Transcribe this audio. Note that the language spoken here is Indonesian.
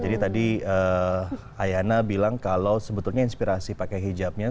jadi tadi ayana bilang kalau sebetulnya inspirasi pakai hijabnya